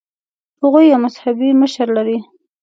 هغوی یو مذهبي مشر لري.